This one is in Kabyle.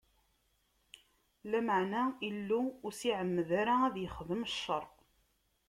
Lameɛna Illu ur s-iɛemmed ara ad yi-ixdem cceṛ.